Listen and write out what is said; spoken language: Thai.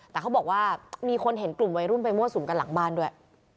แต่เขาบอกว่ามีคนเห็นกลุ่มวัยรุ่นไปมั่วสุมกันหลังบ้านด้วย